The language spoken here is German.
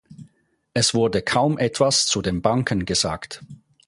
Es wurde kaum etwas zu den Banken gesagt.